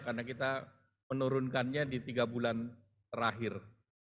karena kita menurunkannya di tiga bulan terakhir